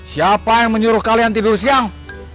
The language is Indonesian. siapa yang menyuruh kalian tidur siang